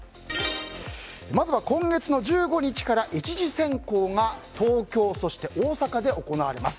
まずは今月１５日から１次選考が東京、そして大阪で行われます。